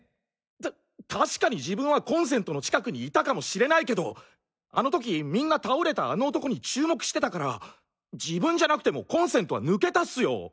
たっ確かに自分はコンセントの近くにいたかもしれないけどあの時みんな倒れたあの男に注目してたから自分じゃなくてもコンセントは抜けたっスよ！